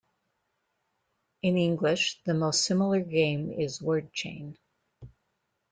In English, the most similar game is Word chain.